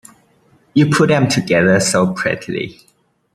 You put 'em together so prettily.